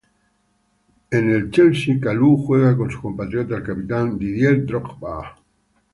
En el Chelsea, Kalou juega con su compatriota, el capitán Didier Drogba.